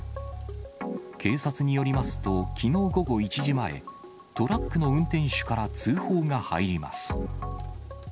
警察によりますと、きのう午後１時前、トラックの運転手から通報が入ります。